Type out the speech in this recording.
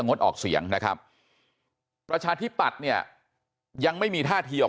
งดออกเสียงนะครับประชาธิปัตย์เนี่ยยังไม่มีท่าทีออก